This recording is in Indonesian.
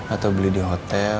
atau beli di hotel